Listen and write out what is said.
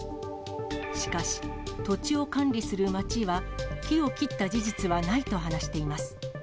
しかし、土地を管理する町は、木を切った事実はないと話しています。